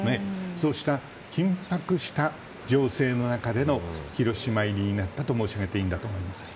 そうした緊迫した情勢の中での広島入りになったと申し上げていいんだと思います。